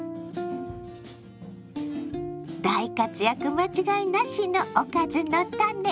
大活躍間違いなしの「おかずのタネ」。